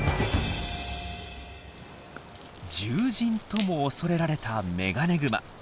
獣人とも恐れられたメガネグマ。